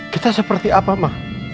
kita seperti apa ma